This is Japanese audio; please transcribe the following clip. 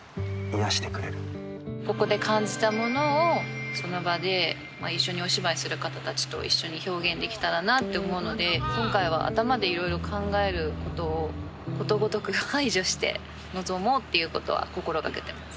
ここで感じたものをその場で一緒にお芝居する方たちと一緒に表現できたらなと思うので今回は頭でいろいろ考えることをことごとく排除して臨もうっていうことは心がけてます。